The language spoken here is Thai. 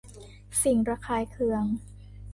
สิ่งระคายเคือง